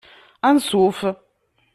Anṣuf!